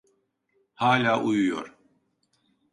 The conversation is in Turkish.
Hâlâ uyuyor.